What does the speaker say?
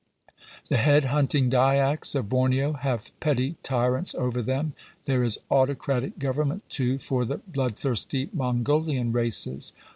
The head hunting Dyaks of Borneo have petty tyrants over them. There is autocratic government, too, for the bloodthirsty Mongolian races.